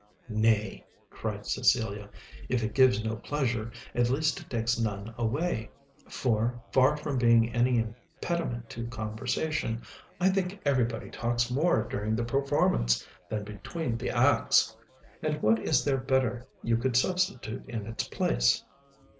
"Nay," cried Cecilia, "if it gives no pleasure, at least it takes none away; for, far from being any impediment to conversation, I think everybody talks more during the performance than between the acts. And what is there better you could substitute in its place?"